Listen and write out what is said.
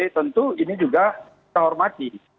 tentu ini juga terhormati